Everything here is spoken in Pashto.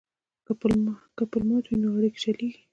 که پل مات وي نو اړیکې شلیږي.